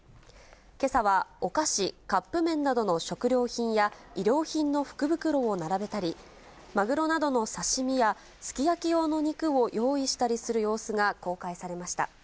けさはお菓子、カップ麺などの食料品や、衣料品の福袋を並べたり、マグロなどの刺身や、すき焼き用の肉を用意したりする様子が公開されました。